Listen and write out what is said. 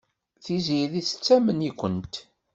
Tiziri tettamen-ikent.